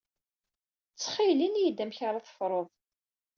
Ttxil ini-yi-d amek ara tefruḍ.